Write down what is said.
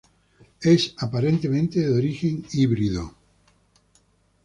Es aparentemente de origen híbrido.